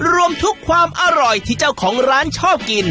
รวมทุกความอร่อยที่เจ้าของร้านชอบกิน